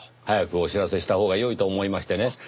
早くお知らせしたほうが良いと思いましてね。